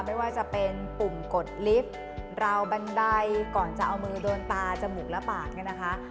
ไม่ว่าจะเป็นปุ่มกดลิฟต์ราวบันไดก่อนจะเอามือโดนตาจมูกและปากเนี่ยนะคะ